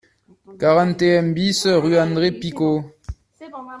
quarante et un BIS rue André Picaud